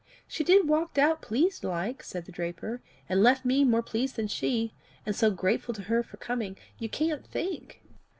"She did walk out pleased like," said the draper, " and left me more pleased than she, and so grateful to her for coming you can't think!"